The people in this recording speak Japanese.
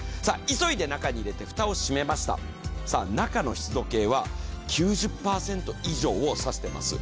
急いで中に入れて、蓋を閉めました中の湿度計は９０％以上を差してます。